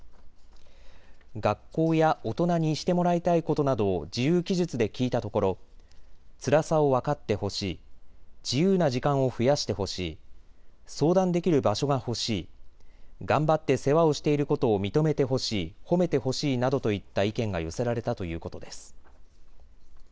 学校や大人にしてもらいたいことなどを自由記述で聞いたところつらさを分かってほしい、自由な時間を増やしてほしい、相談できる場所がほしい、頑張って世話をしていることを認めてほしい、褒めてほしいなどといった意見が寄せられたということです。